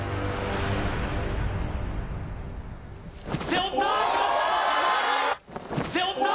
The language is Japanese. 背負った！